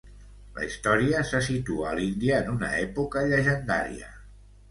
La història se situa a l'Índia en una època llegendària.